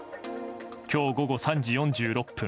今日、午後３時４６分